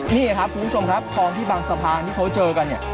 นี่ครับคุณผู้ชมครับคลองที่บางสะพานที่เขาเจอกันเนี่ย